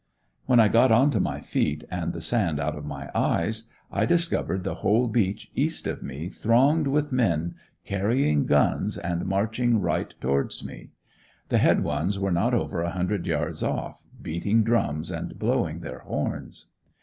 When I got onto my feet and the sand out of my eyes, I discovered the whole beach, east of me, thronged with men carrying guns, and marching right towards me. The head ones were not over a hundred yards off, beating drums and blowing their horns.